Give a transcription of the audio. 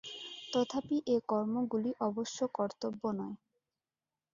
তথাপি এ কর্মগুলি অবশ্য-কর্তব্য নয়।